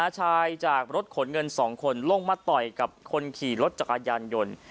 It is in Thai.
จากรถขนเงิน๒คนลงมาต่อยกับคนขี่รถจักรยานยนต์